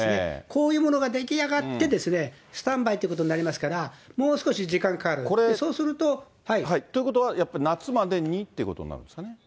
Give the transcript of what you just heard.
こういうものが出来上がって、スタンバイということになりますかということは、やっぱり夏までにということになるんですかね？